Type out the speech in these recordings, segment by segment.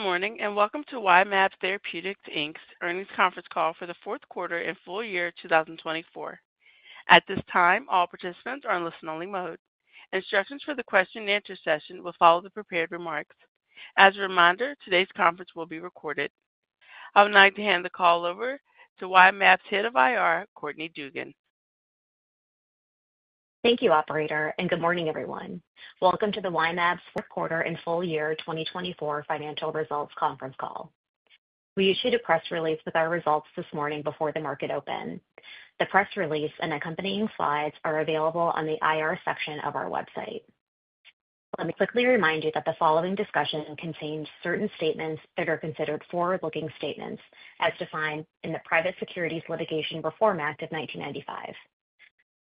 Good morning and welcome to Y-mAbs Therapeutics, Inc.'s earnings conference call for the fourth quarter and full year 2024. At this time, all participants are in listen-only mode. Instructions for the question-and-answer session will follow the prepared remarks. As a reminder, today's conference will be recorded. I would like to hand the call over to Y-mAbs Head of IR, Courtney Dugan. Thank you, Operator, and good morning, everyone. Welcome to the Y-mAbs fourth quarter and full year 2024 financial results conference call. We issued a press release with our results this morning before the market open. The press release and accompanying slides are available on the IR section of our website. Let me quickly remind you that the following discussion contains certain statements that are considered forward-looking statements, as defined in the Private Securities Litigation Reform Act of 1995.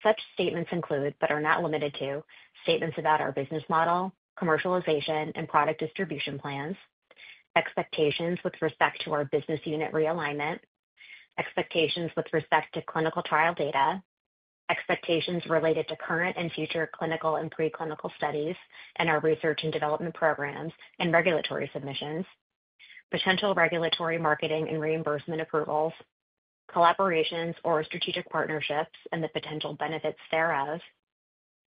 Such statements include, but are not limited to, statements about our business model, commercialization and product distribution plans, expectations with respect to our business unit realignment, expectations with respect to clinical trial data, expectations related to current and future clinical and preclinical studies, and our research and development programs and regulatory submissions, potential regulatory marketing and reimbursement approvals, collaborations or strategic partnerships and the potential benefits thereof,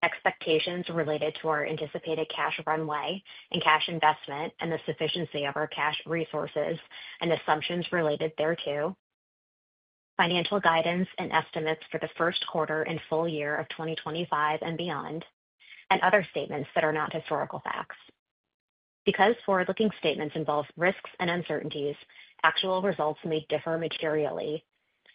expectations related to our anticipated cash runway and cash investment and the sufficiency of our cash resources and assumptions related thereto, financial guidance and estimates for the first quarter and full year of 2025 and beyond, and other statements that are not historical facts. Because forward-looking statements involve risks and uncertainties, actual results may differ materially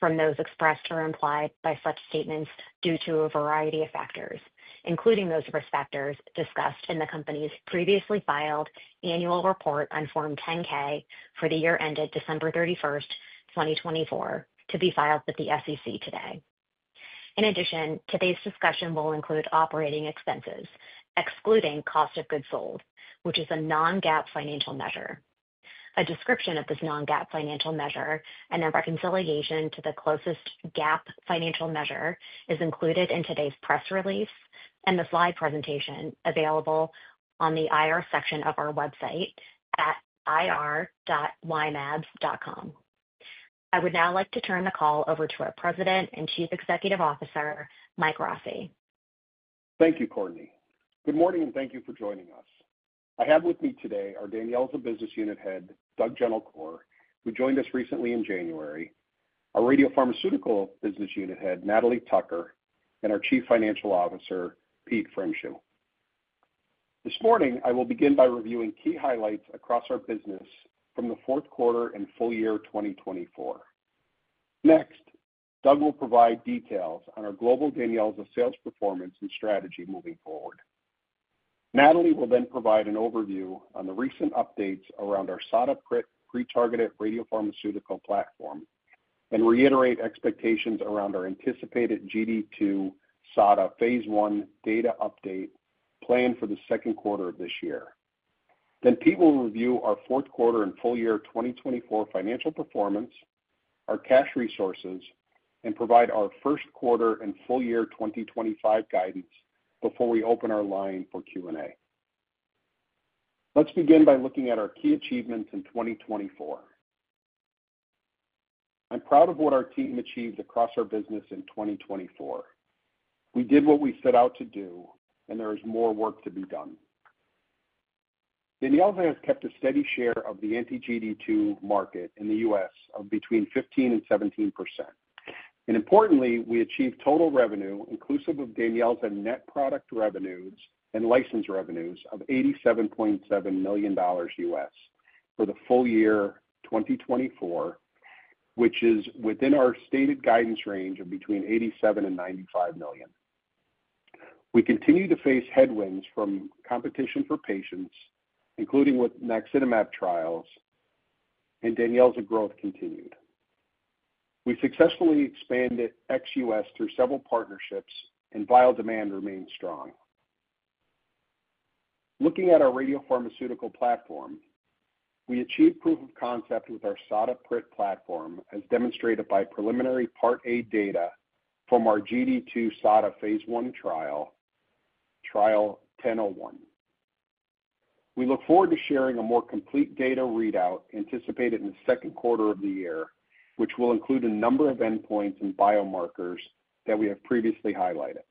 from those expressed or implied by such statements due to a variety of factors, including those risk factors discussed in the company's previously filed annual report on Form 10-K for the year ended December 31, 2024, to be filed with the SEC today. In addition, today's discussion will include operating expenses, excluding cost of goods sold, which is a non-GAAP financial measure. A description of this non-GAAP financial measure and a reconciliation to the closest GAAP financial measure is included in today's press release and the slide presentation available on the IR section of our website at ir.ymabs.com. I would now like to turn the call over to our President and Chief Executive Officer, Mike Rossi. Thank you, Courtney. Good morning and thank you for joining us. I have with me today our DANYELZA Business Unit Head, Doug Gentilcore, who joined us recently in January, our Radiopharmaceutical Business Unit Head, Natalie Tucker, and our Chief Financial Officer, Pete Pfreundschuh. This morning, I will begin by reviewing key highlights across our business from the fourth quarter and full year 2024. Next, Doug will provide details on our global DANYELZA sales performance and strategy moving forward. Natalie will then provide an overview on the recent updates around our SADA PRIT pre-targeted radiopharmaceutical platform and reiterate expectations around our anticipated GD2 SADA phase I data update planned for the second quarter of this year. Pete will review our fourth quarter and full year 2024 financial performance, our cash resources, and provide our first quarter and full year 2025 guidance before we open our line for Q&A. Let's begin by looking at our key achievements in 2024. I'm proud of what our team achieved across our business in 2024. We did what we set out to do, and there is more work to be done. DANYELZA has kept a steady share of the anti-GD2 market in the U.S. of between 15-17%. Importantly, we achieved total revenue, inclusive of DANYELZA and net product revenues and license revenues, of $87.7 million for the full year 2024, which is within our stated guidance range of $87-95 million. We continue to face headwinds from competition for patients, including with Naxitamab trials, and DANYELZA's growth continued. We successfully expanded XUS through several partnerships, and vial demand remains strong. Looking at our radiopharmaceutical platform, we achieved proof of concept with our SADA PRIT platform, as demonstrated by preliminary Part A data from our GD2 SADA phase I trial, trial 1001. We look forward to sharing a more complete data readout anticipated in the second quarter of the year, which will include a number of endpoints and biomarkers that we have previously highlighted.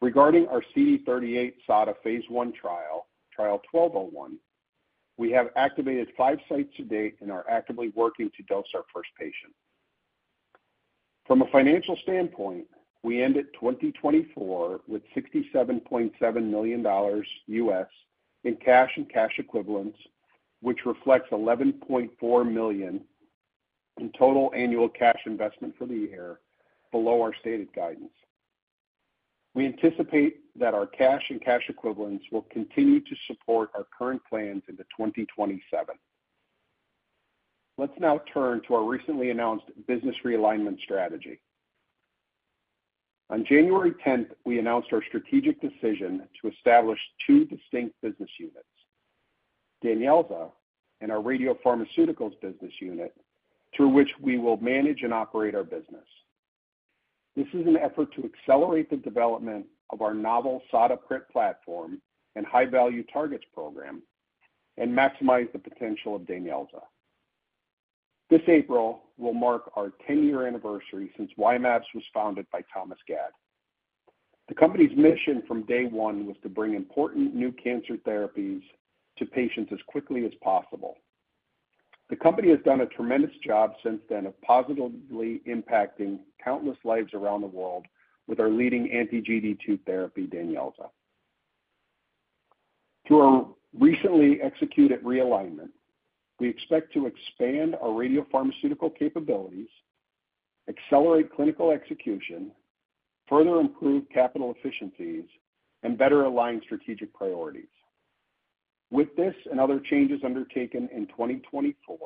Regarding our CD38-SADA phase I trial, trial 1201, we have activated five sites to date and are actively working to dose our first patient. From a financial standpoint, we ended 2024 with $67.7 million in cash and cash equivalents, which reflects $11.4 million in total annual cash investment for the year below our stated guidance. We anticipate that our cash and cash equivalents will continue to support our current plans into 2027. Let's now turn to our recently announced business realignment strategy. On January 10th, we announced our strategic decision to establish two distinct business units, DANYELZA and our Radiopharmaceuticals business unit, through which we will manage and operate our business. This is an effort to accelerate the development of our novel SADA PRIT platform and high-value targets program and maximize the potential of DANYELZA. This April will mark our 10-year anniversary since Y-mAbs was founded by Thomas Gad. The company's mission from day one was to bring important new cancer therapies to patients as quickly as possible. The company has done a tremendous job since then of positively impacting countless lives around the world with our leading anti-GD2 therapy, DANYELZA. Through our recently executed realignment, we expect to expand our radiopharmaceutical capabilities, accelerate clinical execution, further improve capital efficiencies, and better align strategic priorities. With this and other changes undertaken in 2024,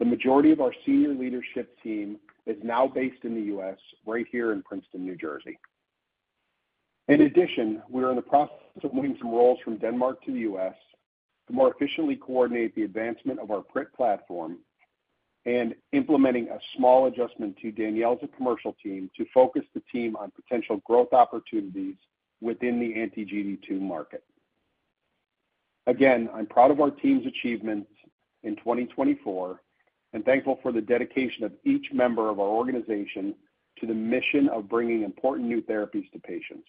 the majority of our senior leadership team is now based in the U.S., right here in Princeton, New Jersey. In addition, we are in the process of moving some roles from Denmark to the U.S. to more efficiently coordinate the advancement of our PRIT platform and implementing a small adjustment to DANYELZA's commercial team to focus the team on potential growth opportunities within the anti-GD2 market. Again, I'm proud of our team's achievements in 2024 and thankful for the dedication of each member of our organization to the mission of bringing important new therapies to patients.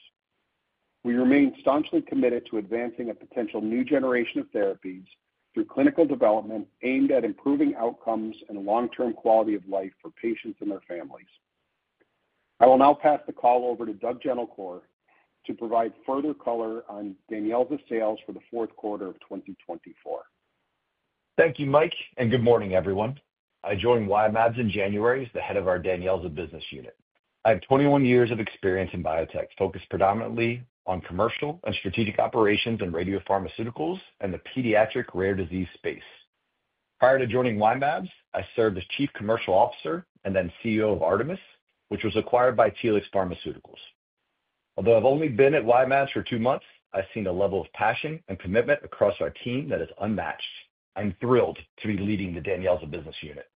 We remain staunchly committed to advancing a potential new generation of therapies through clinical development aimed at improving outcomes and long-term quality of life for patients and their families. I will now pass the call over to Doug Gentilcore to provide further color on DANYELZA sales for the fourth quarter of 2024. Thank you, Mike, and good morning, everyone. I joined Y-mAbs in January as the head of our DANYELZA Business Unit. I have 21 years of experience in biotech, focused predominantly on commercial and strategic operations in radiopharmaceuticals and the pediatric rare disease space. Prior to joining Y-mAbs, I served as Chief Commercial Officer and then CEO of ARTMS, which was acquired by Telix Pharmaceuticals. Although I've only been at Y-mAbs for two months, I've seen a level of passion and commitment across our team that is unmatched. I'm thrilled to be leading the DANYELZA Business Unit.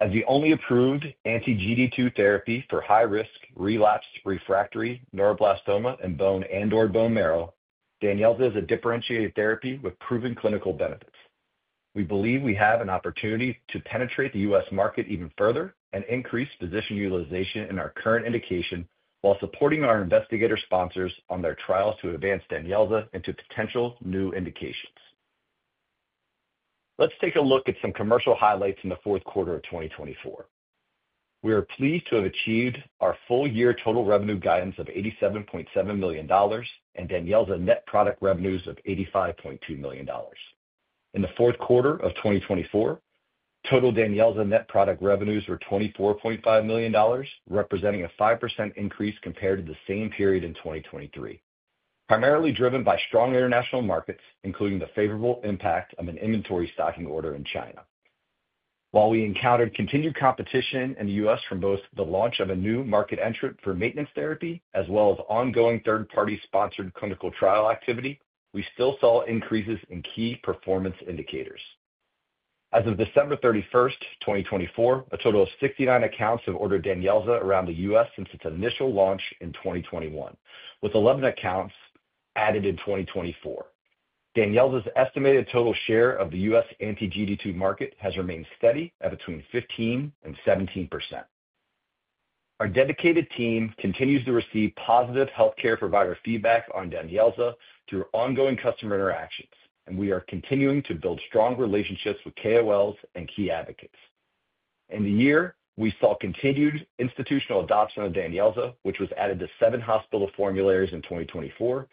As the only approved anti-GD2 therapy for high-risk relapsed refractory neuroblastoma and bone and/or bone marrow, DANYELZA is a differentiated therapy with proven clinical benefits. We believe we have an opportunity to penetrate the U.S. market even further and increase physician utilization in our current indication while supporting our investigator sponsors on their trials to advance DANYELZA into potential new indications. Let's take a look at some commercial highlights in the fourth quarter of 2024. We are pleased to have achieved our full year total revenue guidance of $87.7 million and DANYELZA net product revenues of $85.2 million. In the fourth quarter of 2024, total DANYELZA net product revenues were $24.5 million, representing a 5% increase compared to the same period in 2023, primarily driven by strong international markets, including the favorable impact of an inventory stocking order in China. While we encountered continued competition in the U.S. from both the launch of a new market entrant for maintenance therapy, as well as ongoing third-party sponsored clinical trial activity, we still saw increases in key performance indicators. As of December 31, 2024, a total of 69 accounts have ordered DANYELZA around the U.S. since its initial launch in 2021, with 11 accounts added in 2024. DANYELZA's estimated total share of the U.S. anti-GD2 market has remained steady at between 15-17%. Our dedicated team continues to receive positive healthcare provider feedback on DANYELZA through ongoing customer interactions, and we are continuing to build strong relationships with KOLs and key advocates. In the year, we saw continued institutional adoption of DANYELZA, which was added to seven hospital formularies in 2024,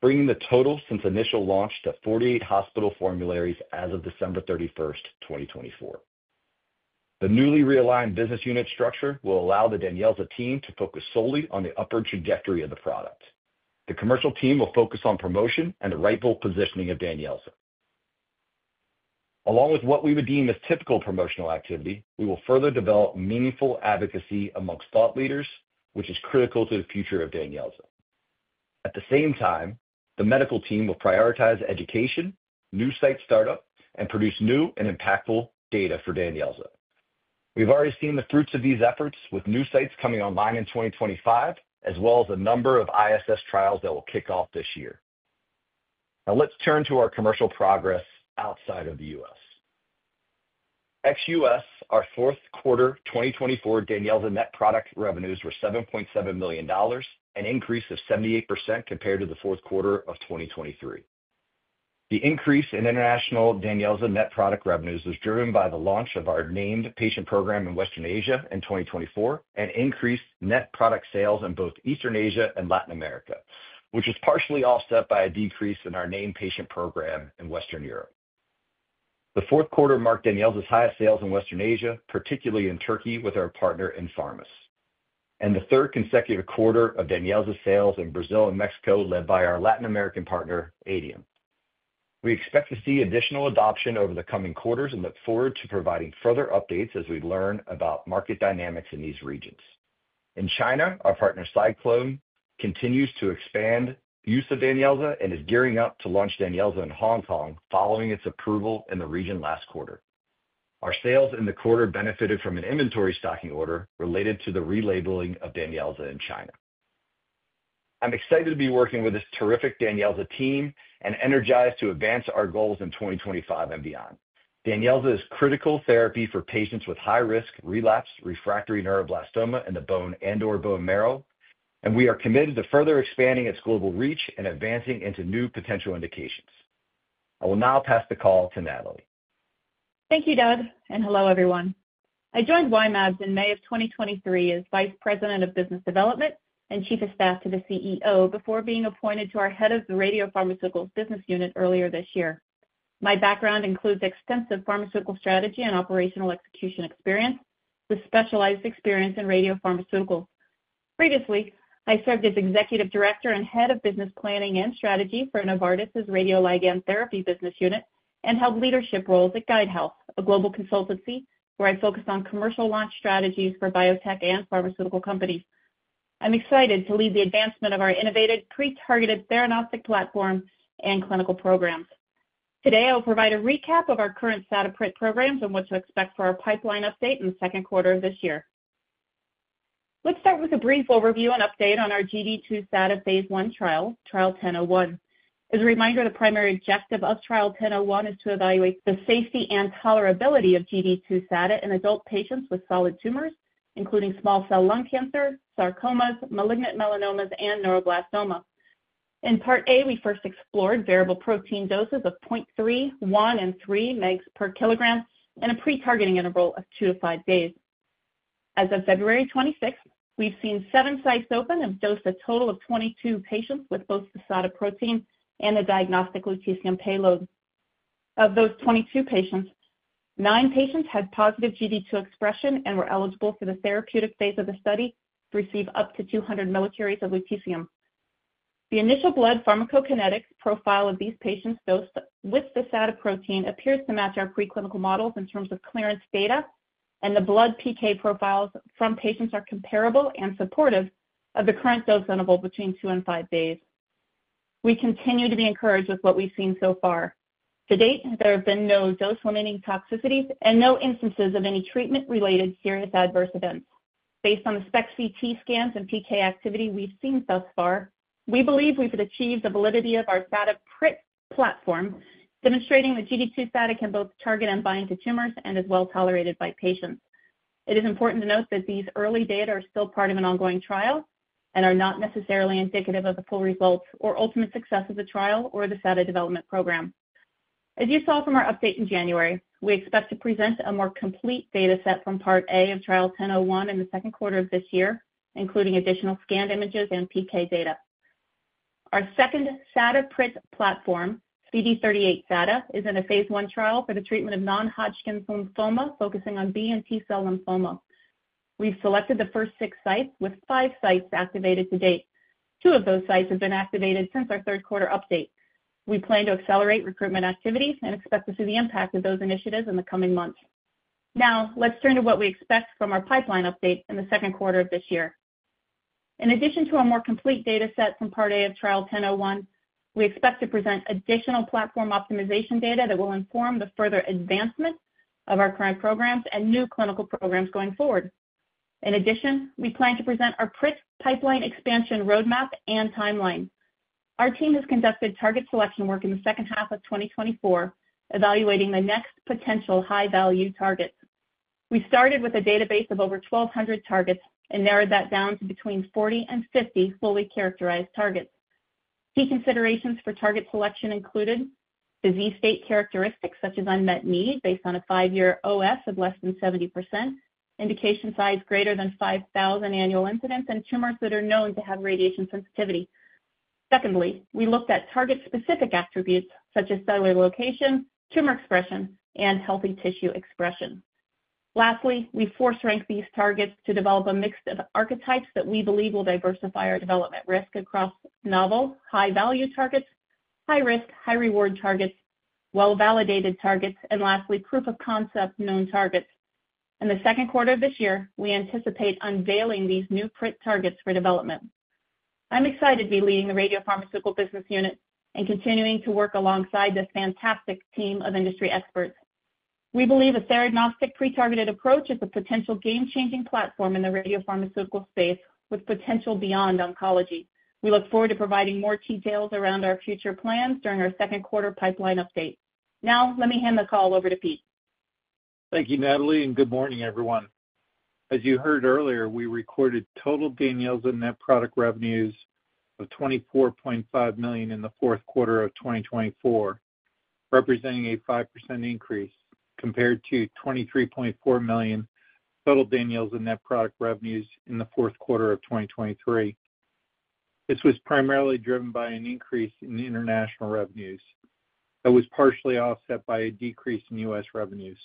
bringing the total since initial launch to 48 hospital formularies as of December 31, 2024. The newly realigned business unit structure will allow the DANYELZA team to focus solely on the upper trajectory of the product. The commercial team will focus on promotion and the rightful positioning of DANYELZA. Along with what we would deem as typical promotional activity, we will further develop meaningful advocacy amongst thought leaders, which is critical to the future of DANYELZA. At the same time, the medical team will prioritize education, new site startup, and produce new and impactful data for DANYELZA. We've already seen the fruits of these efforts, with new sites coming online in 2025, as well as a number of ISS trials that will kick off this year. Now let's turn to our commercial progress outside of the U.S. XUS, our fourth quarter 2024 DANYELZA net product revenues were $7.7 million, an increase of 78% compared to the fourth quarter of 2023. The increase in international DANYELZA net product revenues was driven by the launch of our named patient program in Western Asia in 2024 and increased net product sales in both Eastern Asia and Latin America, which was partially offset by a decrease in our named patient program in Western Europe. The fourth quarter marked DANYELZA's highest sales in Western Asia, particularly in Turkey with our partner INPHARMUS, and the third consecutive quarter of DANYELZA sales in Brazil and Mexico, led by our Latin American partner, ADIAM. We expect to see additional adoption over the coming quarters and look forward to providing further updates as we learn about market dynamics in these regions. In China, our partner Cyclone continues to expand use of DANYELZA and is gearing up to launch DANYELZA in Hong Kong following its approval in the region last quarter. Our sales in the quarter benefited from an inventory stocking order related to the relabeling of DANYELZA in China. I'm excited to be working with this terrific DANYELZA team and energized to advance our goals in 2025 and beyond. DANYELZA is a critical therapy for patients with high-risk relapsed refractory neuroblastoma in the bone and/or bone marrow, and we are committed to further expanding its global reach and advancing into new potential indications. I will now pass the call to Natalie. Thank you, Doug, and hello, everyone. I joined Y-mAbs in May of 2023 as Vice President of Business Development and Chief of Staff to the CEO before being appointed to our Head of the Radiopharmaceutical Business Unit earlier this year. My background includes extensive pharmaceutical strategy and operational execution experience with specialized experience in radiopharmaceuticals. Previously, I served as Executive Director and Head of Business Planning and Strategy for Novartis' Radioligand Therapy Business Unit and held leadership roles at GuideHealth, a global consultancy where I focused on commercial launch strategies for biotech and pharmaceutical companies. I'm excited to lead the advancement of our innovative pre-targeted theranostic platform and clinical programs. Today, I'll provide a recap of our current SADA PRIT programs and what to expect for our pipeline update in the second quarter of this year. Let's start with a brief overview and update on our GD2 SADA phase one trial, trial 1001. As a reminder, the primary objective of trial 1001 is to evaluate the safety and tolerability of GD2 SADA in adult patients with solid tumors, including small cell lung cancer, sarcomas, malignant melanomas, and neuroblastoma. In part A, we first explored variable protein doses of 0.3, 1, and 3 nanograms per kilogram and a pre-targeting interval of two to five days. As of February 26th, we've seen seven sites open and dosed a total of 22 patients with both the SADA protein and the diagnostic lutetium payload. Of those 22 patients, nine patients had positive GD2 expression and were eligible for the therapeutic phase of the study to receive up to 200 millicuries of lutetium. The initial blood pharmacokinetics profile of these patients dosed with the SADA protein appears to match our preclinical models in terms of clearance data, and the blood PK profiles from patients are comparable and supportive of the current dose interval between two and five days. We continue to be encouraged with what we've seen so far. To date, there have been no dose-limiting toxicities and no instances of any treatment-related serious adverse events. Based on the SPECT/CT scans and PK activity we've seen thus far, we believe we've achieved the validity of our SADA PRIT platform, demonstrating that GD2 SADA can both target and bind to tumors and is well tolerated by patients. It is important to note that these early data are still part of an ongoing trial and are not necessarily indicative of the full results or ultimate success of the trial or the SADA development program. As you saw from our update in January, we expect to present a more complete data set from part A of trial 1001 in the second quarter of this year, including additional scanned images and PK data. Our second SADA PRIT platform, CD38-SADA, is in a phase I trial for the treatment of non-Hodgkin's lymphoma, focusing on B and T cell lymphoma. We've selected the first six sites with five sites activated to date. Two of those sites have been activated since our third quarter update. We plan to accelerate recruitment activity and expect to see the impact of those initiatives in the coming months. Now, let's turn to what we expect from our pipeline update in the second quarter of this year. In addition to a more complete data set from part A of trial 1001, we expect to present additional platform optimization data that will inform the further advancement of our current programs and new clinical programs going forward. In addition, we plan to present our PRIT pipeline expansion roadmap and timeline. Our team has conducted target selection work in the second half of 2024, evaluating the next potential high-value targets. We started with a database of over 1,200 targets and narrowed that down to between 40-50 fully characterized targets. Key considerations for target selection included disease state characteristics such as unmet need based on a five-year OS of less than 70%, indication size greater than 5,000 annual incidents, and tumors that are known to have radiation sensitivity. Secondly, we looked at target-specific attributes such as cellular location, tumor expression, and healthy tissue expression. Lastly, we force-ranked these targets to develop a mix of archetypes that we believe will diversify our development risk across novel, high-value targets, high-risk, high-reward targets, well-validated targets, and lastly, proof of concept known targets. In the second quarter of this year, we anticipate unveiling these new PRIT targets for development. I'm excited to be leading the Radiopharmaceutical Business Unit and continuing to work alongside this fantastic team of industry experts. We believe a theranostic pre-targeted approach is a potential game-changing platform in the radiopharmaceutical space with potential beyond oncology. We look forward to providing more details around our future plans during our second quarter pipeline update. Now, let me hand the call over to Pete. Thank you, Natalie, and good morning, everyone. As you heard earlier, we recorded total DANYELZA net product revenues of $24.5 million in the fourth quarter of 2024, representing a 5% increase compared to $23.4 million total DANYELZA net product revenues in the fourth quarter of 2023. This was primarily driven by an increase in international revenues that was partially offset by a decrease in U.S. revenues.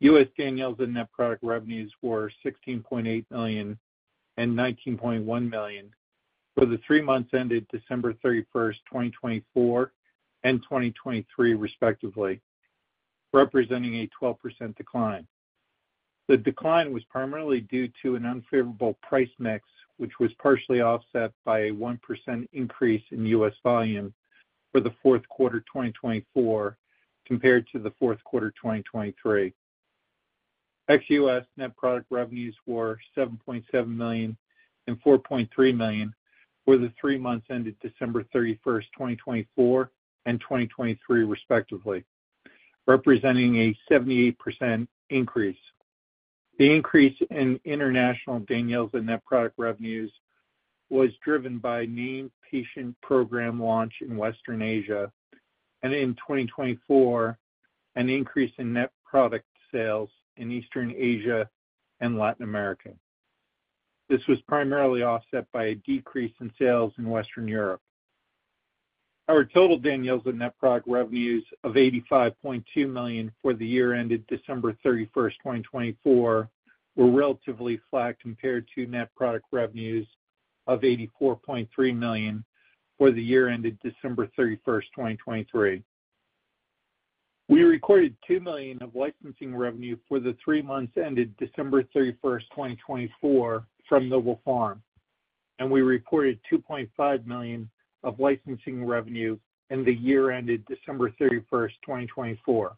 U.S. DANYELZA net product revenues were $16.8 million and $19.1 million for the three months ended December 31, 2024 and 2023, respectively, representing a 12% decline. The decline was primarily due to an unfavorable price mix, which was partially offset by a 1% increase in U.S. volume for the fourth quarter 2024 compared to the fourth quarter 2023. XUS net product revenues were $7.7 million and $4.3 million for the three months ended December 31, 2024 and 2023, respectively, representing a 78% increase. The increase in international DANYELZA net product revenues was driven by named patient program launch in Western Asia and in 2024, an increase in net product sales in Eastern Asia and Latin America. This was primarily offset by a decrease in sales in Western Europe. Our total DANYELZA net product revenues of $85.2 million for the year ended December 31, 2024 were relatively flat compared to net product revenues of $84.3 million for the year ended December 31, 2023. We recorded $2 million of licensing revenue for the three months ended December 31, 2024 from Nobelpharma, and we reported $2.5 million of licensing revenue in the year ended December 31, 2024.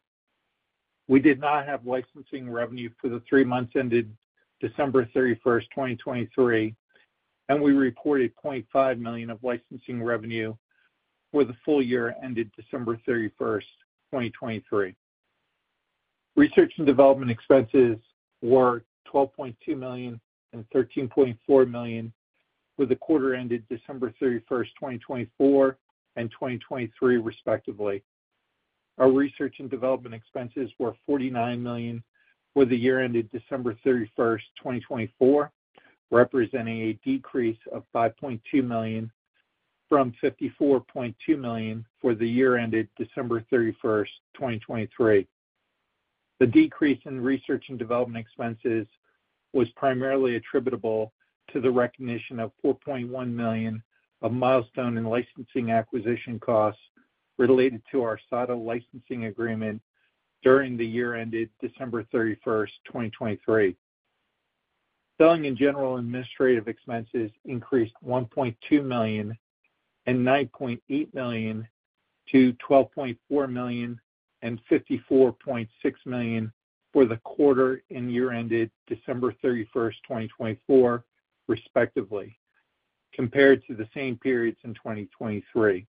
We did not have licensing revenue for the three months ended December 31, 2023, and we reported $0.5 million of licensing revenue for the full year ended December 31, 2023. Research and development expenses were $12.2 million and $13.4 million for the quarter ended December 31, 2024 and 2023, respectively. Our research and development expenses were $49 million for the year ended December 31, 2024, representing a decrease of $5.2 million from $54.2 million for the year ended December 31, 2023. The decrease in research and development expenses was primarily attributable to the recognition of $4.1 million of milestone and licensing acquisition costs related to our SADA licensing agreement during the year ended December 31, 2023. Selling and general administrative expenses increased $1.2 million and $9.8 million to $12.4 million and $54.6 million for the quarter and year ended December 31, 2024, respectively, compared to the same periods in 2023.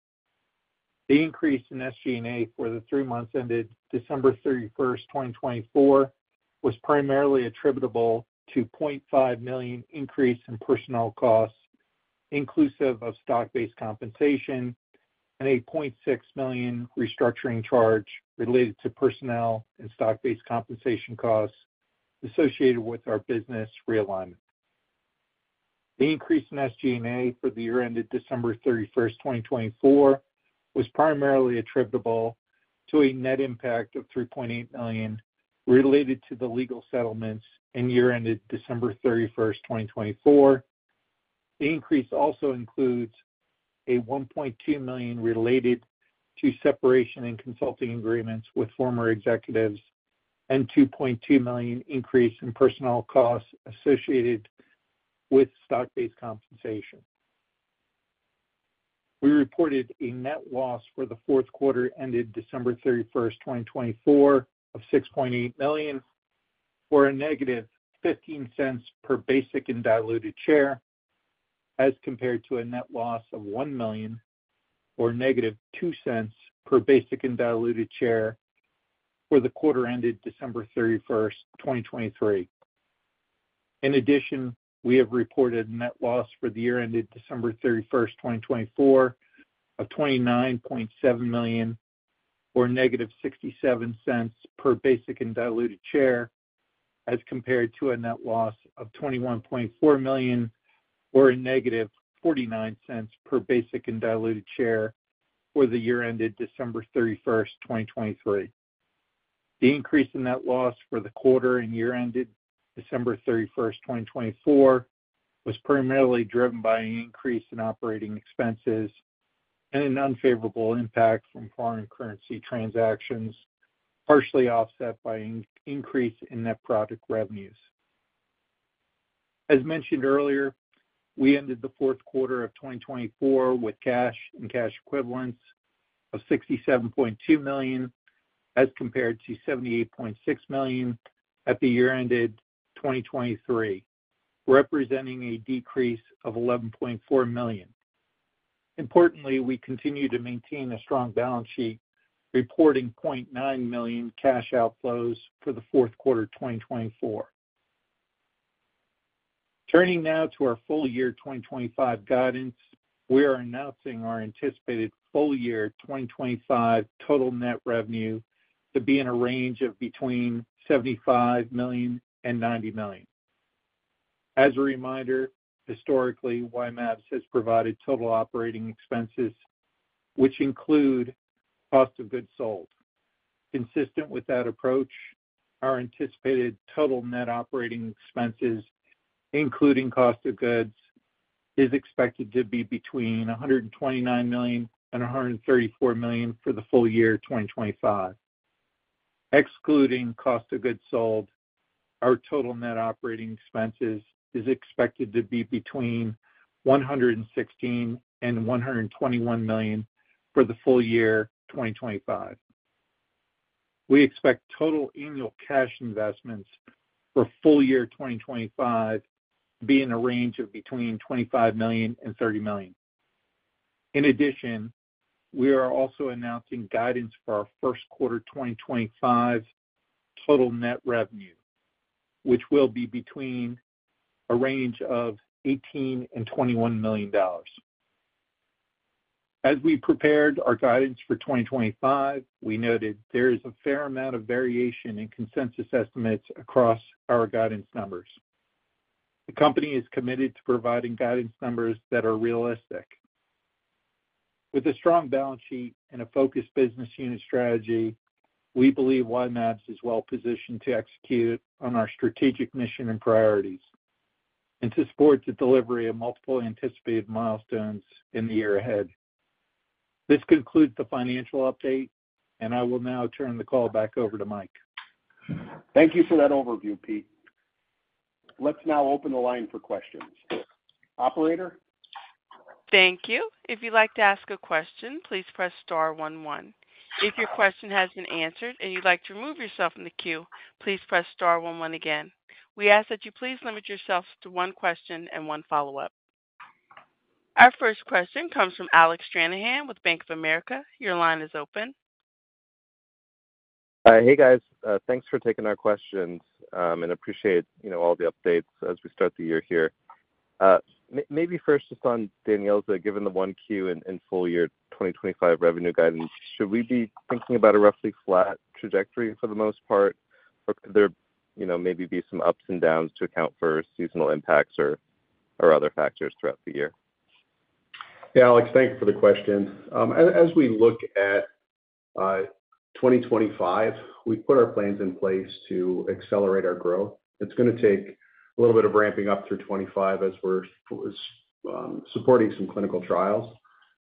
The increase in SG&A for the three months ended December 31, 2024 was primarily attributable to a $0.5 million increase in personnel costs, inclusive of stock-based compensation, and a $0.6 million restructuring charge related to personnel and stock-based compensation costs associated with our business realignment. The increase in SG&A for the year ended December 31, 2024 was primarily attributable to a net impact of $3.8 million related to the legal settlements in the year ended December 31, 2024. The increase also includes $1.2 million related to separation and consulting agreements with former executives and a $2.2 million increase in personnel costs associated with stock-based compensation. We reported a net loss for the fourth quarter ended December 31, 2024 of $6.8 million for a negative $0.15 per basic and diluted share as compared to a net loss of $1 million or negative $0.02 per basic and diluted share for the quarter ended December 31, 2023. In addition, we have reported net loss for the year ended December 31, 2024 of $29.7 million or negative $0.67 per basic and diluted share as compared to a net loss of $21.4 million or a negative $0.49 per basic and diluted share for the year ended December 31, 2023. The increase in net loss for the quarter and year ended December 31, 2024 was primarily driven by an increase in operating expenses and an unfavorable impact from foreign currency transactions, partially offset by an increase in net product revenues. As mentioned earlier, we ended the fourth quarter of 2024 with cash and cash equivalents of $67.2 million as compared to $78.6 million at the year ended 2023, representing a decrease of $11.4 million. Importantly, we continue to maintain a strong balance sheet reporting $0.9 million cash outflows for the fourth quarter 2024. Turning now to our full year 2025 guidance, we are announcing our anticipated full year 2025 total net revenue to be in a range of between $75 million and $90 million. As a reminder, historically, Y-mAbs has provided total operating expenses, which include cost of goods sold. Consistent with that approach, our anticipated total net operating expenses, including cost of goods, is expected to be between $129 million and $134 million for the full year 2025. Excluding cost of goods sold, our total net operating expenses is expected to be between $116 million and $121 million for the full year 2025. We expect total annual cash investments for full year 2025 to be in a range of $25 million-$30 million. In addition, we are also announcing guidance for our first quarter 2025 total net revenue, which will be in a range of $18 million-$21 million. As we prepared our guidance for 2025, we noted there is a fair amount of variation in consensus estimates across our guidance numbers. The company is committed to providing guidance numbers that are realistic. With a strong balance sheet and a focused business unit strategy, we believe Y-mAbs is well positioned to execute on our strategic mission and priorities and to support the delivery of multiple anticipated milestones in the year ahead. This concludes the financial update, and I will now turn the call back over to Mike. Thank you for that overview, Pete. Let's now open the line for questions. Operator? Thank you. If you'd like to ask a question, please press star 11. If your question has been answered and you'd like to remove yourself from the queue, please press star 11 again. We ask that you please limit yourself to one question and one follow-up. Our first question comes from Alex Stranahan with Bank of America. Your line is open. Hey, guys. Thanks for taking our questions. Appreciate all the updates as we start the year here. Maybe first, just on DANYELZA, given the Q1 and full year 2025 revenue guidance, should we be thinking about a roughly flat trajectory for the most part, or could there maybe be some ups and downs to account for seasonal impacts or other factors throughout the year? Yeah, Alex, thank you for the question. As we look at 2025, we've put our plans in place to accelerate our growth. It's going to take a little bit of ramping up through 2025 as we're supporting some clinical trials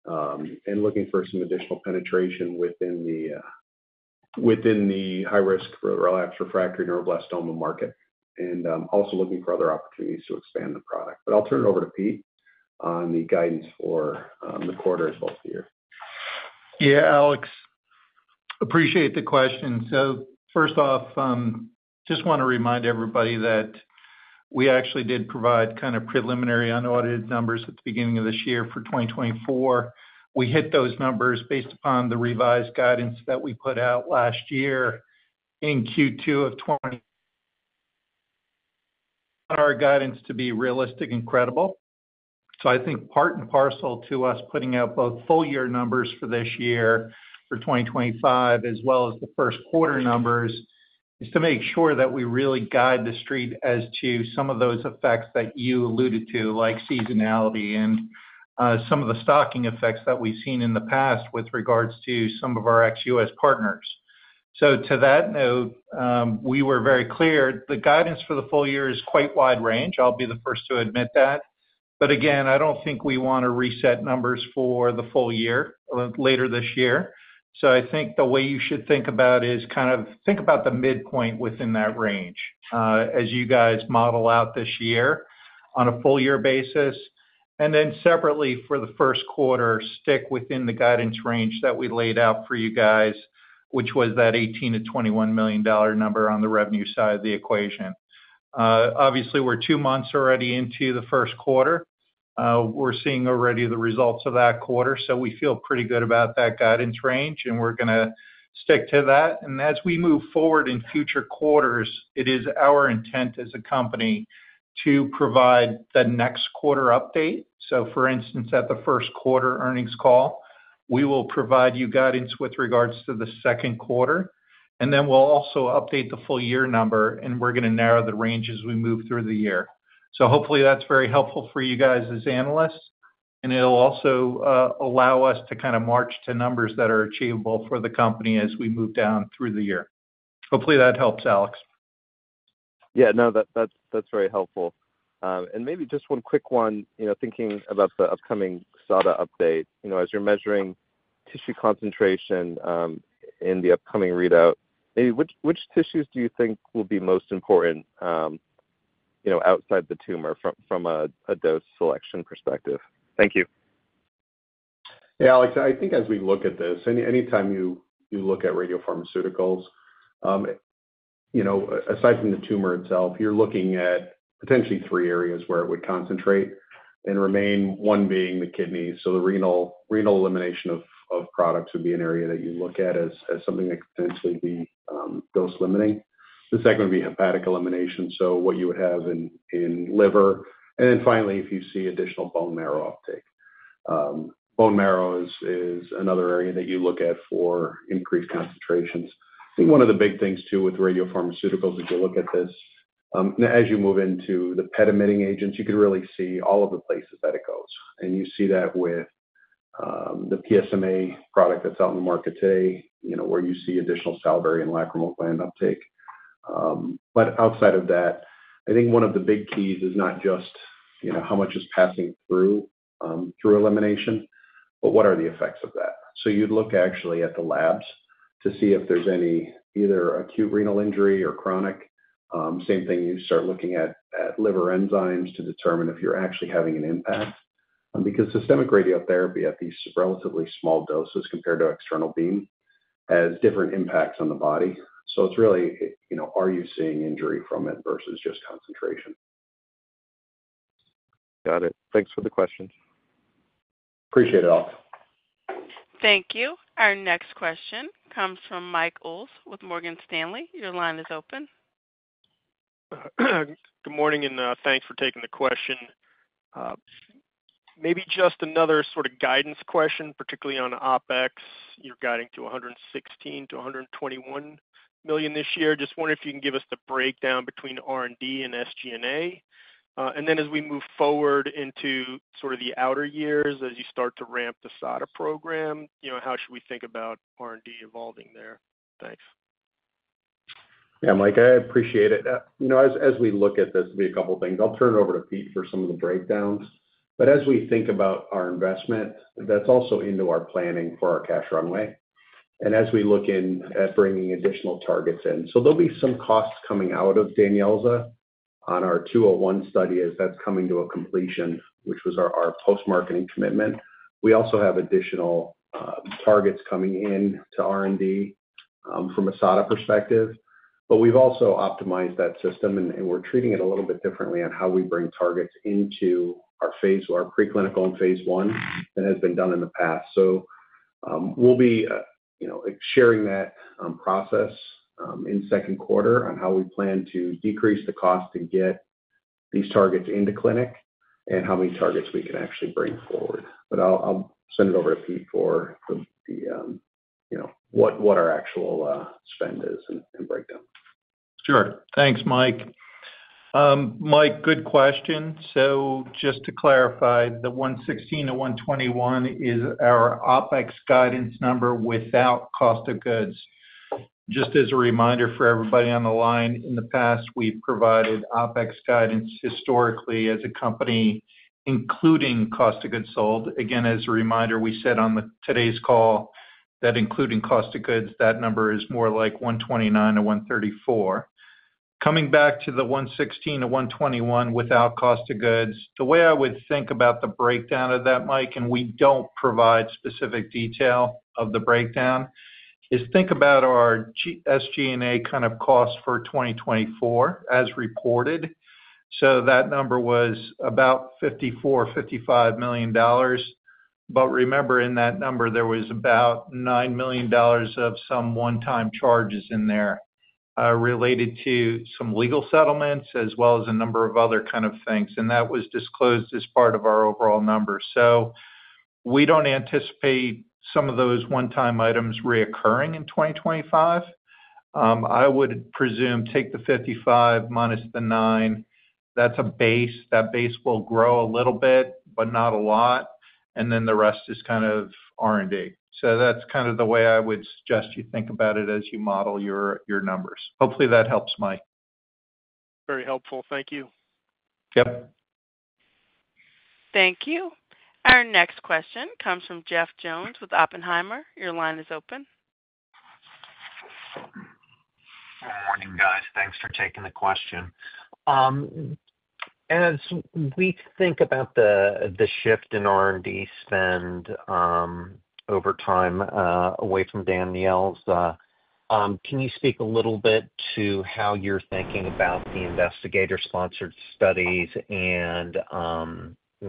and looking for some additional penetration within the high-risk for relapsed refractory neuroblastoma market and also looking for other opportunities to expand the product. I'll turn it over to Pete on the guidance for the quarter as well as the year. Yeah, Alex, appreciate the question. First off, just want to remind everybody that we actually did provide kind of preliminary unaudited numbers at the beginning of this year for 2024. We hit those numbers based upon the revised guidance that we put out last year in Q2 of 2020. Our guidance to be realistic and credible. I think part and parcel to us putting out both full year numbers for this year for 2025, as well as the first quarter numbers, is to make sure that we really guide the street as to some of those effects that you alluded to, like seasonality and some of the stocking effects that we've seen in the past with regards to some of our ex-U.S. partners. To that note, we were very clear. The guidance for the full year is quite wide range. I'll be the first to admit that. Again, I do not think we want to reset numbers for the full year later this year. I think the way you should think about it is kind of think about the midpoint within that range as you guys model out this year on a full year basis. Separately, for the first quarter, stick within the guidance range that we laid out for you guys, which was that $18-$21 million number on the revenue side of the equation. Obviously, we are two months already into the first quarter. We are seeing already the results of that quarter, so we feel pretty good about that guidance range, and we are going to stick to that. As we move forward in future quarters, it is our intent as a company to provide the next quarter update. For instance, at the first quarter earnings call, we will provide you guidance with regards to the second quarter, and then we'll also update the full year number, and we're going to narrow the range as we move through the year. Hopefully that's very helpful for you guys as analysts, and it'll also allow us to kind of march to numbers that are achievable for the company as we move down through the year. Hopefully that helps, Alex. Yeah, no, that's very helpful. Maybe just one quick one, thinking about the upcoming SADA update, as you're measuring tissue concentration in the upcoming readout, maybe which tissues do you think will be most important outside the tumor from a dose selection perspective? Thank you. Yeah, Alex, I think as we look at this, anytime you look at radiopharmaceuticals, aside from the tumor itself, you're looking at potentially three areas where it would concentrate and remain, one being the kidneys. The renal elimination of products would be an area that you look at as something that could potentially be dose limiting. The second would be hepatic elimination, so what you would have in liver. Finally, if you see additional bone marrow uptake. Bone marrow is another area that you look at for increased concentrations. I think one of the big things too with radiopharmaceuticals as you look at this, as you move into the beta-emitting agents, you could really see all of the places that it goes. You see that with the PSMA product that's out in the market today, where you see additional salivary and lacrimal gland uptake. Outside of that, I think one of the big keys is not just how much is passing through elimination, but what are the effects of that? You'd look actually at the labs to see if there's any either acute renal injury or chronic. Same thing, you start looking at liver enzymes to determine if you're actually having an impact. Because systemic radiotherapy at these relatively small doses compared to external beam has different impacts on the body. It's really, are you seeing injury from it versus just concentration? Got it. Thanks for the questions. Appreciate it, Alex. Thank you. Our next question comes from Mike Oles with Morgan Stanley. Your line is open. Good morning and thanks for taking the question. Maybe just another sort of guidance question, particularly on OpEx. You're guiding to $116 million-$121 million this year. Just wondering if you can give us the breakdown between R&D and SG&A. As we move forward into sort of the outer years, as you start to ramp the SADA program, how should we think about R&D evolving there? Thanks. Yeah, Mike, I appreciate it. As we look at this, there'll be a couple of things. I'll turn it over to Pete for some of the breakdowns. As we think about our investment, that's also into our planning for our cash runway. As we look in at bringing additional targets in, there'll be some costs coming out of DANYELZA on our 201 study as that's coming to a completion, which was our post-marketing commitment. We also have additional targets coming in to R&D from a SADA perspective. We've also optimized that system, and we're treating it a little bit differently on how we bring targets into our phase, our preclinical and phase one that has been done in the past. We will be sharing that process in second quarter on how we plan to decrease the cost to get these targets into clinic and how many targets we can actually bring forward. I'll send it over to Pete for what our actual spend is and breakdown. Sure. Thanks, Mike. Mike, good question. Just to clarify, the 116-121 is our OPEX guidance number without cost of goods. Just as a reminder for everybody on the line, in the past, we've provided OPEX guidance historically as a company, including cost of goods sold. Again, as a reminder, we said on today's call that including cost of goods, that number is more like 129-134. Coming back to the 116-121 without cost of goods, the way I would think about the breakdown of that, Mike, and we don't provide specific detail of the breakdown, is think about our SG&A kind of cost for 2024 as reported. That number was about $54-55 million. Remember, in that number, there was about $9 million of some one-time charges in there related to some legal settlements as well as a number of other kind of things. That was disclosed as part of our overall number. We do not anticipate some of those one-time items reoccurring in 2025. I would presume take the $55 million minus the $9 million. That is a base. That base will grow a little bit, but not a lot. The rest is kind of R&D. That is kind of the way I would suggest you think about it as you model your numbers. Hopefully that helps, Mike. Very helpful. Thank you. Yep. Thank you. Our next question comes from Jeff Jones with Oppenheimer. Your line is open. Good morning, guys. Thanks for taking the question. As we think about the shift in R&D spend over time away from DANYELZA, can you speak a little bit to how you're thinking about the investigator-sponsored studies and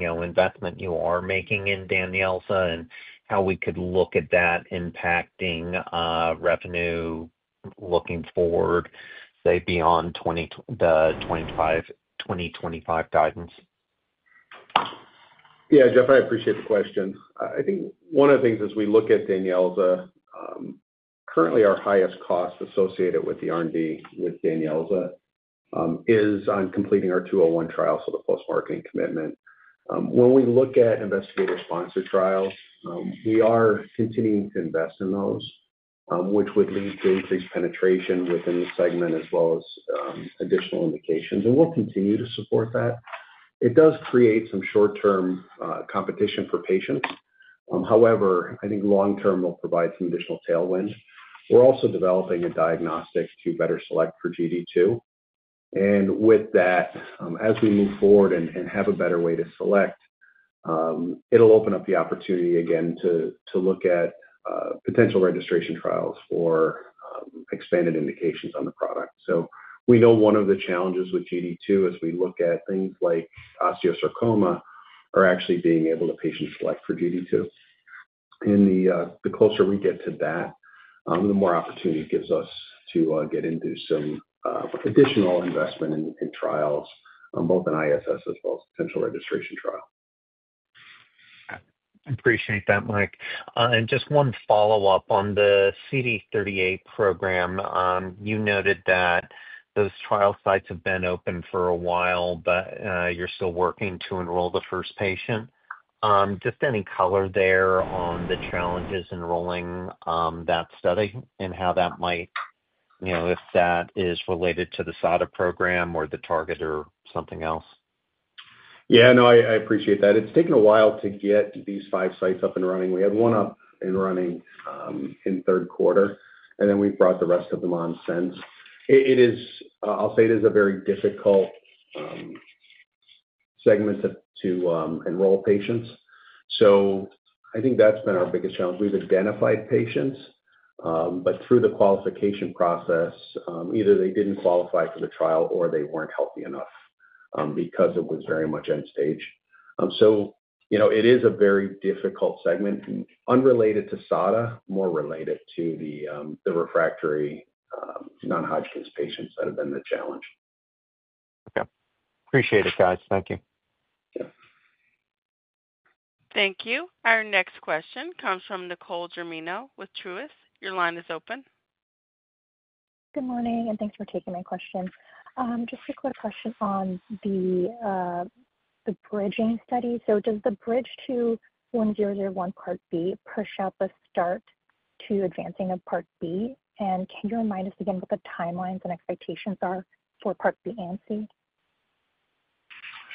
investment you are making in DANYELZA and how we could look at that impacting revenue looking forward, say, beyond the 2025 guidance? Yeah, Jeff, I appreciate the question. I think one of the things as we look at DANYELZA, currently our highest cost associated with the R&D with DANYELZA is on completing our 201 trial, so the post-marketing commitment. When we look at investigator-sponsored trials, we are continuing to invest in those, which would lead to increased penetration within the segment as well as additional indications. We'll continue to support that. It does create some short-term competition for patients. However, I think long-term will provide some additional tailwind. We're also developing a diagnostic to better select for GD2. With that, as we move forward and have a better way to select, it'll open up the opportunity again to look at potential registration trials for expanded indications on the product. We know one of the challenges with GD2 as we look at things like osteosarcoma are actually being able to patient select for GD2. The closer we get to that, the more opportunity it gives us to get into some additional investment in trials, both in ISS as well as potential registration trial. I appreciate that, Mike. Just one follow-up on the CD38 program. You noted that those trial sites have been open for a while, but you're still working to enroll the first patient. Just any color there on the challenges enrolling that study and how that might, if that is related to the SADA program or the target or something else? Yeah, no, I appreciate that. It's taken a while to get these five sites up and running. We had one up and running in third quarter, and then we've brought the rest of them on since. I'll say it is a very difficult segment to enroll patients. I think that's been our biggest challenge. We've identified patients, but through the qualification process, either they didn't qualify for the trial or they weren't healthy enough because it was very much end-stage. It is a very difficult segment, unrelated to SADA, more related to the refractory non-Hodgkin's patients that have been the challenge. Okay. Appreciate it, guys. Thank you. Thank you. Our next question comes from Nicole Germino with Truist. Your line is open. Good morning and thanks for taking my question. Just a quick question on the bridging study. Does the bridge to 1001 Part B push up a start to advancing of Part B? Can you remind us again what the timelines and expectations are for Part B and C?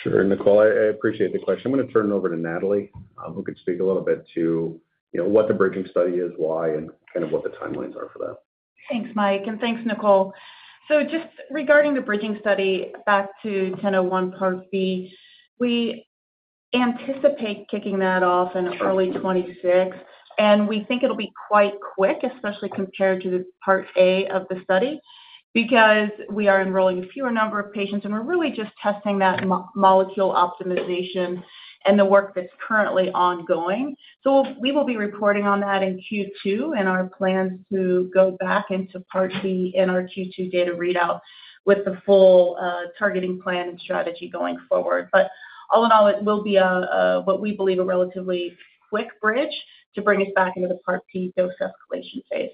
Sure, Nicole. I appreciate the question. I'm going to turn it over to Natalie, who could speak a little bit to what the bridging study is, why, and kind of what the timelines are for that. Thanks, Mike, and thanks, Nicole. Just regarding the bridging study back to 1001 Part B, we anticipate kicking that off in early 2026. We think it'll be quite quick, especially compared to the Part A of the study, because we are enrolling a fewer number of patients, and we're really just testing that molecule optimization and the work that's currently ongoing. We will be reporting on that in Q2 and our plans to go back into Part B in our Q2 data readout with the full targeting plan and strategy going forward. All in all, it will be what we believe a relatively quick bridge to bring us back into the Part B dose escalation phase.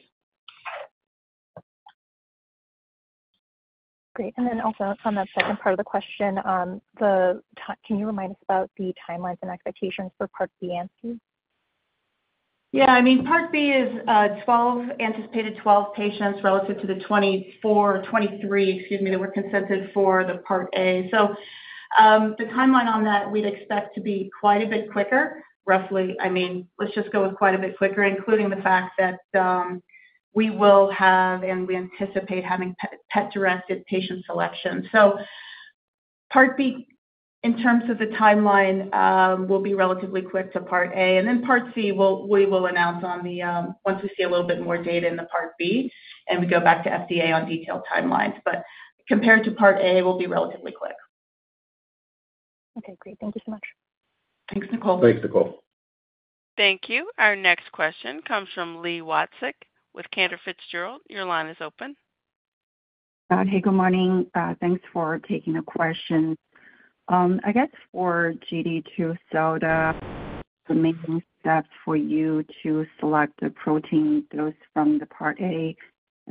Great. Also, on that second part of the question, can you remind us about the timelines and expectations for Part B and C? Yeah. I mean, Part B is anticipated 12 patients relative to the 24, 23, excuse me, that were consented for the Part A. The timeline on that, we'd expect to be quite a bit quicker, roughly. I mean, let's just go with quite a bit quicker, including the fact that we will have and we anticipate having PET-directed patient selection. Part B, in terms of the timeline, will be relatively quick to Part A. Part C, we will announce once we see a little bit more data in the Part B and we go back to FDA on detailed timelines. Compared to Part A, it will be relatively quick. Okay, great. Thank you so much. Thanks, Nicole. Thanks, Nicole. Thank you. Our next question comes from Lee Wacek with Cantor Fitzgerald. Your line is open. Hey, good morning. Thanks for taking the question. I guess for GD2, the main steps for you to select the protein dose from the Part A.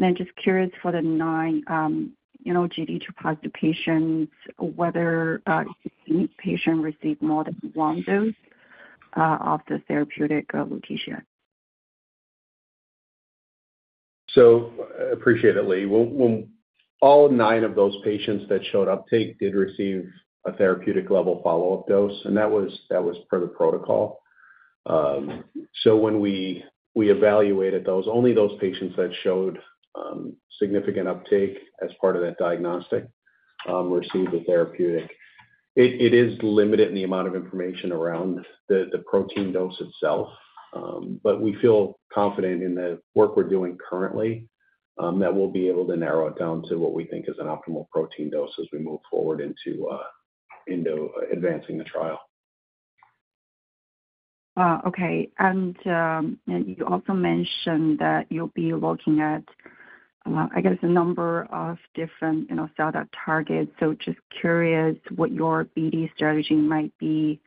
I'm just curious for the non-GD2 positive patients, whether each patient received more than one dose of the therapeutic location. I appreciate it, Lee. All nine of those patients that showed uptake did receive a therapeutic level follow-up dose, and that was per the protocol. When we evaluated those, only those patients that showed significant uptake as part of that diagnostic received the therapeutic. It is limited in the amount of information around the protein dose itself, but we feel confident in the work we're doing currently that we'll be able to narrow it down to what we think is an optimal protein dose as we move forward into advancing the trial. Okay. You also mentioned that you'll be looking at, I guess, a number of different SADA targets. Just curious what your BD strategy might be,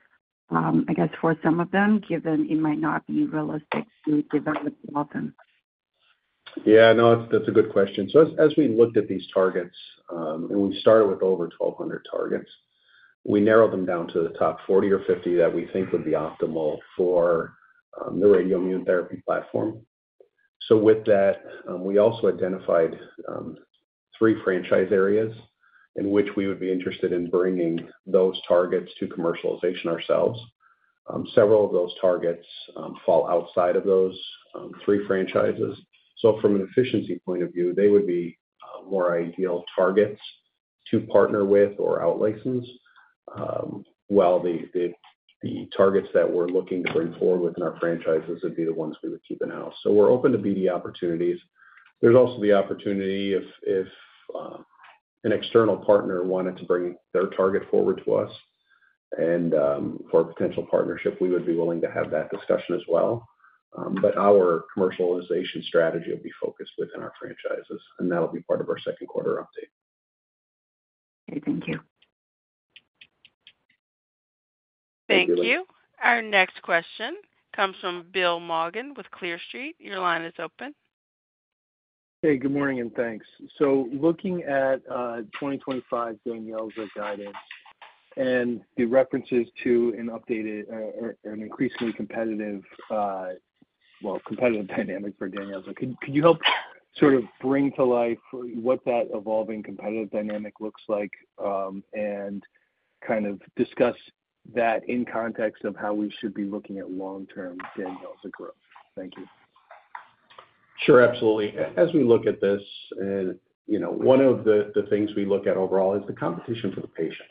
I guess, for some of them, given it might not be realistic to develop all of them. Yeah, no, that's a good question. As we looked at these targets, and we started with over 1,200 targets, we narrowed them down to the top 40 or 50 that we think would be optimal for the radioimmunotherapy platform. With that, we also identified three franchise areas in which we would be interested in bringing those targets to commercialization ourselves. Several of those targets fall outside of those three franchises. From an efficiency point of view, they would be more ideal targets to partner with or outlicense, while the targets that we're looking to bring forward within our franchises would be the ones we would keep in-house. We're open to BD opportunities. There's also the opportunity if an external partner wanted to bring their target forward to us and for a potential partnership, we would be willing to have that discussion as well. Our commercialization strategy would be focused within our franchises, and that'll be part of our second quarter update. Okay, thank you. Thank you. Our next question comes from Bill Maugin with Clear Street. Your line is open. Good morning and thanks. Looking at 2025 DANYELZA guidance and the references to an increasingly competitive, well, competitive dynamic for DANYELZA, could you help sort of bring to life what that evolving competitive dynamic looks like and kind of discuss that in context of how we should be looking at long-term DANYELZA growth? Thank you. Sure, absolutely. As we look at this, one of the things we look at overall is the competition for the patients,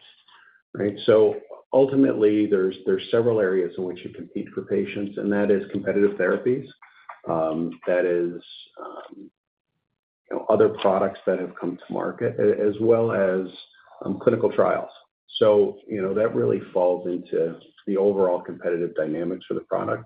right? Ultimately, there are several areas in which you compete for patients, and that is competitive therapies, that is other products that have come to market, as well as clinical trials. That really falls into the overall competitive dynamics for the product.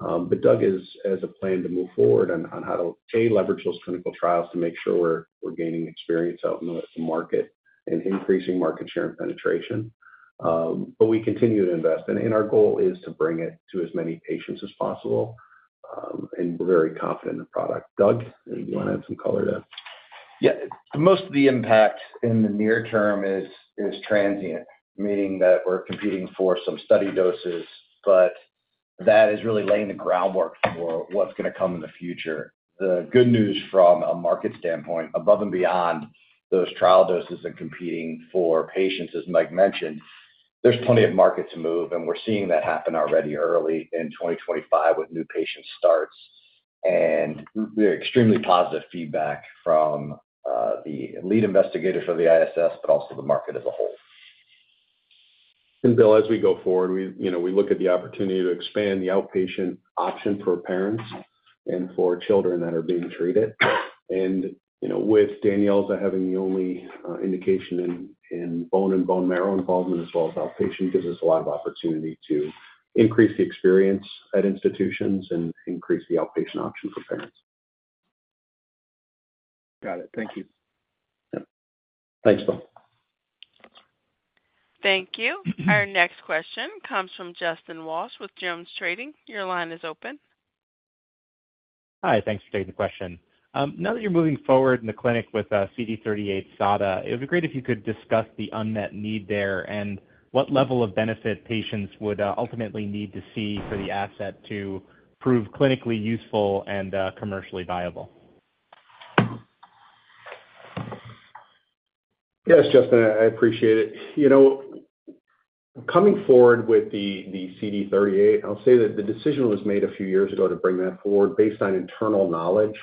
Doug has a plan to move forward on how to, A, leverage those clinical trials to make sure we're gaining experience out in the market and increasing market share and penetration. We continue to invest. Our goal is to bring it to as many patients as possible. We're very confident in the product. Doug, do you want to add some color to that? Yeah. Most of the impact in the near term is transient, meaning that we're competing for some study doses, but that is really laying the groundwork for what's going to come in the future. The good news from a market standpoint, above and beyond those trial doses and competing for patients, as Mike mentioned, there's plenty of market to move, and we're seeing that happen already early in 2025 with new patient starts. We have extremely positive feedback from the lead investigator for the ISS, but also the market as a whole. Bill, as we go forward, we look at the opportunity to expand the outpatient option for parents and for children that are being treated. With DANYELZA having the only indication in bone and bone marrow involvement as well as outpatient, it gives us a lot of opportunity to increase the experience at institutions and increase the outpatient option for parents. Got it. Thank you. Thanks, Bill. Thank you. Our next question comes from Justin Walsh with Jones Trading. Your line is open. Hi, thanks for taking the question. Now that you're moving forward in the clinic with CD38-SADA, it would be great if you could discuss the unmet need there and what level of benefit patients would ultimately need to see for the asset to prove clinically useful and commercially viable. Yes, Justin, I appreciate it. Coming forward with the CD38, I'll say that the decision was made a few years ago to bring that forward based on internal knowledge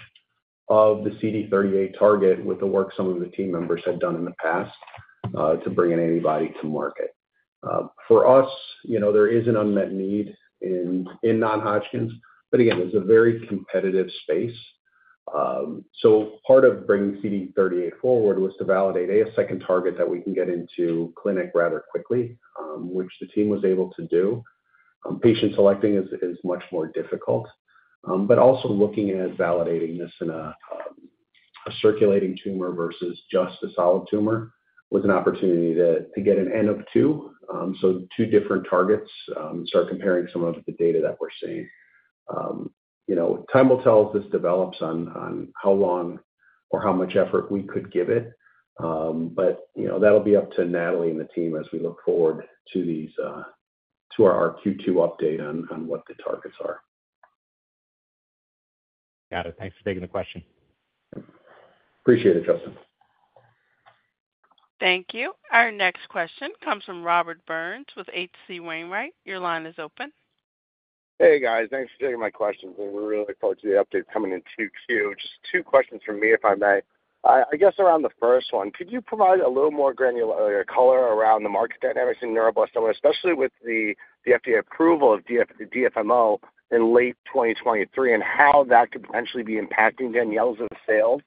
of the CD38 target with the work some of the team members had done in the past to bring an antibody to market. For us, there is an unmet need in non-Hodgkin's, but again, it's a very competitive space. Part of bringing CD38 forward was to validate a second target that we can get into clinic rather quickly, which the team was able to do. Patient selecting is much more difficult, but also looking at validating this in a circulating tumor versus just a solid tumor was an opportunity to get an end of two. Two different targets and start comparing some of the data that we're seeing. Time will tell as this develops on how long or how much effort we could give it, but that'll be up to Natalie and the team as we look forward to our Q2 update on what the targets are. Got it. Thanks for taking the question. Appreciate it, Justin. Thank you. Our next question comes from Robert Burns with HC Wainwright. Your line is open. Hey, guys. Thanks for taking my questions. We're really looking forward to the update coming in Q2. Just two questions from me, if I may. I guess around the first one, could you provide a little more granular color around the market dynamics in neuroblastoma, especially with the FDA approval of DFMO in late 2023, and how that could potentially be impacting DANYELZA sales?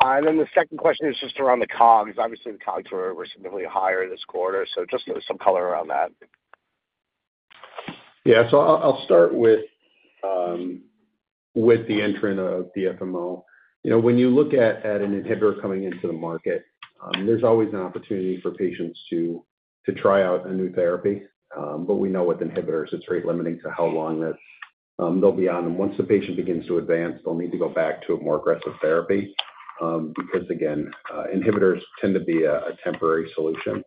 The second question is just around the COGS. Obviously, the COGS were significantly higher this quarter, so just some color around that. Yeah. I'll start with the entrance of DFMO. When you look at an inhibitor coming into the market, there's always an opportunity for patients to try out a new therapy. We know with inhibitors, it's rate-limiting to how long they'll be on them. Once the patient begins to advance, they'll need to go back to a more aggressive therapy because, again, inhibitors tend to be a temporary solution.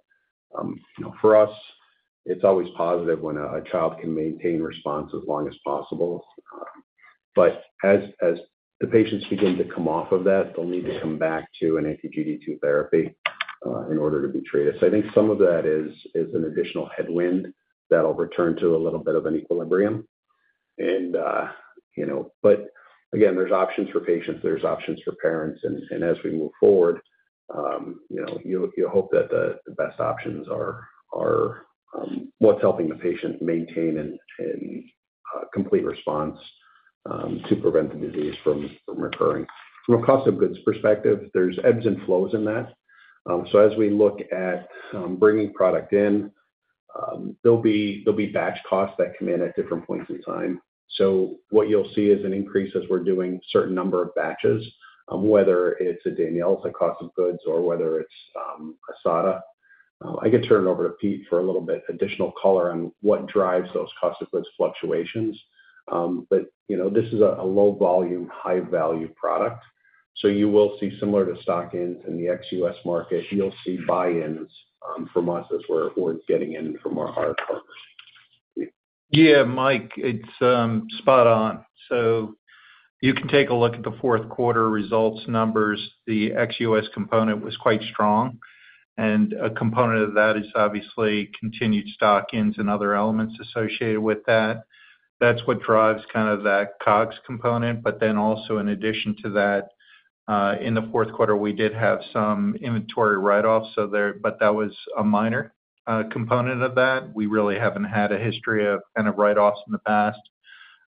For us, it's always positive when a child can maintain response as long as possible. As the patients begin to come off of that, they'll need to come back to an anti-GD2 therapy in order to be treated. I think some of that is an additional headwind that'll return to a little bit of an equilibrium. Again, there's options for patients. There's options for parents. As we move forward, you hope that the best options are what's helping the patient maintain a complete response to prevent the disease from recurring. From a cost of goods perspective, there are ebbs and flows in that. As we look at bringing product in, there will be batch costs that come in at different points in time. What you'll see is an increase as we're doing a certain number of batches, whether it's a DANYELZA cost of goods, or whether it's a SADA. I could turn it over to Pete for a little bit of additional color on what drives those cost of goods fluctuations. This is a low-volume, high-value product. You will see, similar to stock in the ex-U.S. market, buy-ins from us as we're getting in from our partners. Yeah, Mike, it's spot on. You can take a look at the fourth quarter results numbers. The XUS component was quite strong. A component of that is obviously continued stock ins and other elements associated with that. That is what drives kind of that COGS component. In addition to that, in the fourth quarter, we did have some inventory write-offs, but that was a minor component of that. We really have not had a history of kind of write-offs in the past.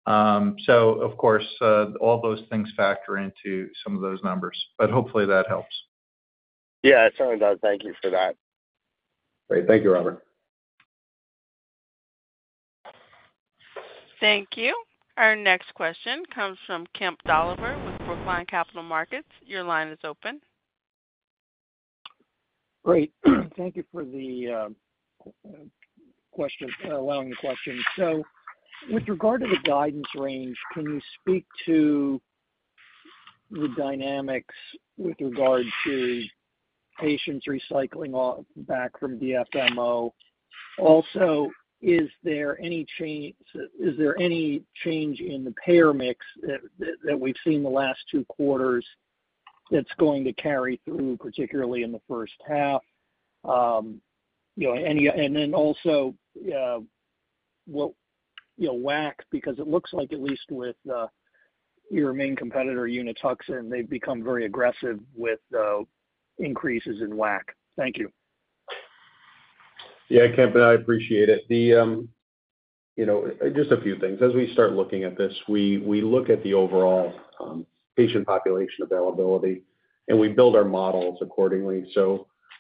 Of course, all those things factor into some of those numbers, but hopefully that helps. Yeah, it certainly does. Thank you for that. Great. Thank you, Robert. Thank you. Our next question comes from Kemp Doliver with Brookline Capital Markets. Your line is open. Great. Thank you for allowing the question. With regard to the guidance range, can you speak to the dynamics with regard to patients recycling back from DFMO? Also, is there any change in the payer mix that we've seen the last two quarters that's going to carry through, particularly in the first half? Also, what WAC, because it looks like at least with your main competitor, Unituxin, they've become very aggressive with increases in WAC. Thank you. Yeah, Kemp, I appreciate it. Just a few things. As we start looking at this, we look at the overall patient population availability, and we build our models accordingly.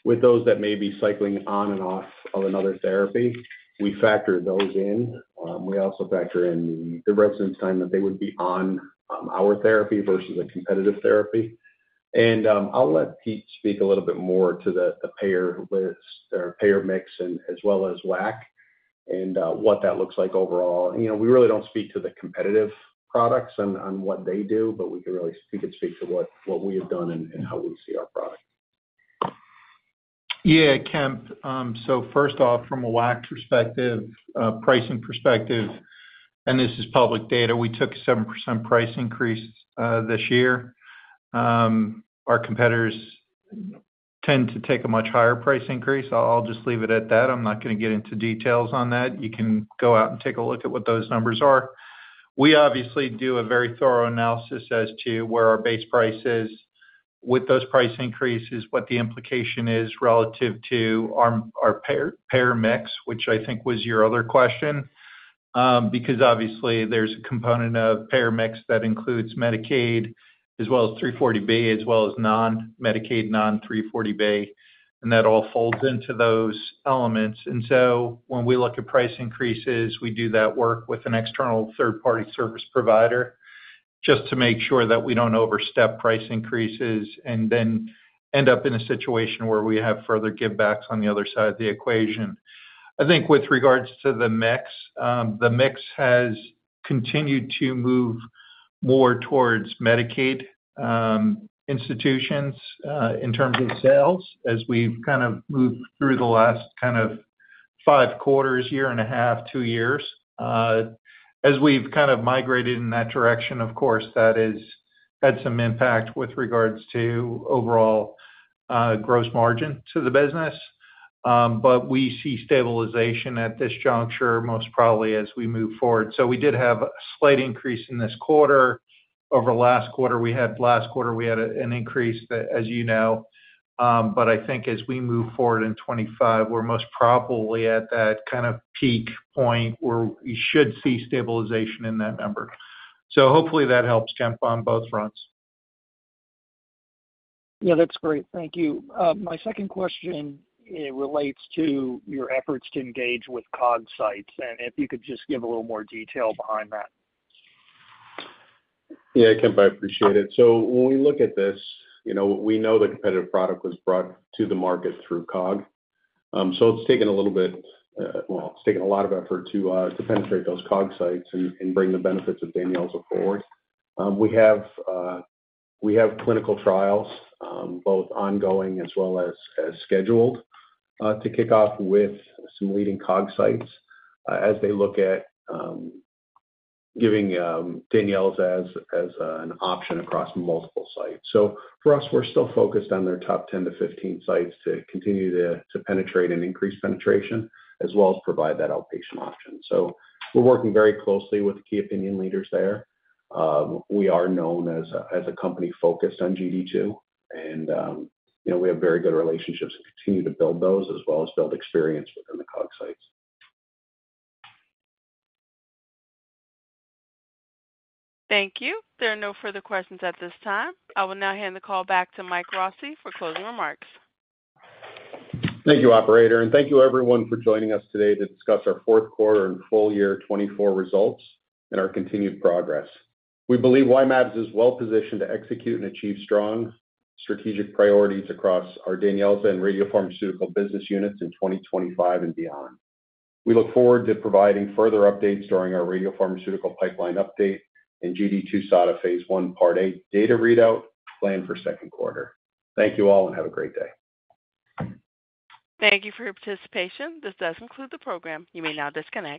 With those that may be cycling on and off of another therapy, we factor those in. We also factor in the residence time that they would be on our therapy versus a competitive therapy. I'll let Pete speak a little bit more to the payer mix as well as WAC and what that looks like overall. We really do not speak to the competitive products on what they do, but we can really speak to what we have done and how we see our product. Yeah, Kemp. First off, from a WAC perspective, pricing perspective, and this is public data, we took a 7% price increase this year. Our competitors tend to take a much higher price increase. I'll just leave it at that. I'm not going to get into details on that. You can go out and take a look at what those numbers are. We obviously do a very thorough analysis as to where our base price is with those price increases, what the implication is relative to our payer mix, which I think was your other question, because obviously there's a component of payer mix that includes Medicaid as well as 340B, as well as non-Medicaid, non-340B, and that all folds into those elements. When we look at price increases, we do that work with an external third-party service provider just to make sure that we do not overstep price increases and then end up in a situation where we have further give-backs on the other side of the equation. I think with regards to the mix, the mix has continued to move more towards Medicaid institutions in terms of sales as we have kind of moved through the last five quarters, year and a half, two years. As we have kind of migrated in that direction, of course, that has had some impact with regards to overall gross margin to the business. We see stabilization at this juncture, most probably as we move forward. We did have a slight increase in this quarter. Over last quarter, we had an increase, as you know. I think as we move forward in 2025, we're most probably at that kind of peak point where we should see stabilization in that number. Hopefully that helps, Kemp, on both fronts. Yeah, that's great. Thank you. My second question relates to your efforts to engage with COG sites. If you could just give a little more detail behind that. Yeah, Kemp, I appreciate it. When we look at this, we know the competitive product was brought to the market through COG. It has taken a little bit—well, it has taken a lot of effort to penetrate those COG sites and bring the benefits of DANYELZA forward. We have clinical trials, both ongoing as well as scheduled, to kick off with some leading COG sites as they look at giving DANYELZA as an option across multiple sites. For us, we're still focused on their top 10-15 sites to continue to penetrate and increase penetration, as well as provide that outpatient option. We're working very closely with the key opinion leaders there. We are known as a company focused on GD2, and we have very good relationships and continue to build those, as well as build experience within the COG sites. Thank you. There are no further questions at this time. I will now hand the call back to Mike Rossi for closing remarks. Thank you, Operator. Thank you, everyone, for joining us today to discuss our fourth quarter and full year 2024 results and our continued progress. We believe Y-mAbs is well-positioned to execute and achieve strong strategic priorities across our DANYELZA and radiopharmaceutical business units in 2025 and beyond. We look forward to providing further updates during our radiopharmaceutical pipeline update and GD2-SADA phase I, part A data readout planned for the second quarter. Thank you all and have a great day. Thank you for your participation. This does conclude the program. You may now disconnect.